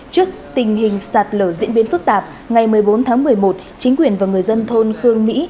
trước tình hình sạt lở diễn biến phức tạp ngày một mươi bốn tháng một mươi một chính quyền và người dân thôn khương mỹ